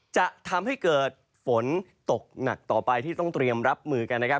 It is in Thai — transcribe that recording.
จะทำให้เกิดฝนตกหนักต่อไปที่ต้องเตรียมรับมือกันนะครับ